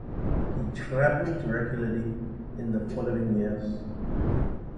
He traveled regularly in the following years.